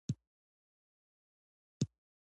آیا نمک حرامي په پښتنو کې لوی جرم نه دی؟